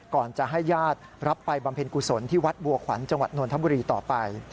ก่อนจะให้ญาติรับไปบำเพ็ญกุศลที่วัดบัวขวัญจังหวัดนทบุรีต่อไป